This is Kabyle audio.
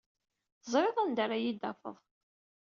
Teẓrid anda ara iyi-d-tafed.